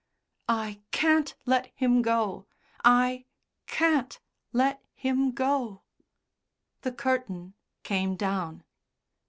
"I can't let him go! I can't let him go!" The curtain came down.